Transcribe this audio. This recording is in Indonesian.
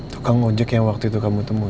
tukang ojek yang waktu itu kamu temui